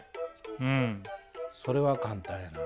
うんそれは簡単やな。